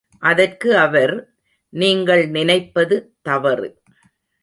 அதற்கு அவர், நீங்கள் நினைப்பது தவறு.